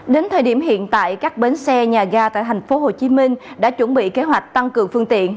đến thời điểm hiện tại các bến xe nhà ga tại tp hcm đã chuẩn bị kế hoạch tăng cường phương tiện